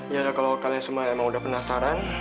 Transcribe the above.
ya kalau kalian semua emang udah penasaran